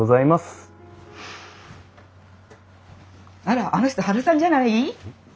あらあの人ハルさんじゃない？